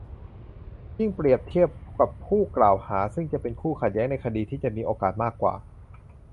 ยิ่งเปรียบเทียบกับผู้กล่าวหา ซึ่งเป็นคู่ขัดแย้งในคดี ที่จะมีโอกาสมากกว่า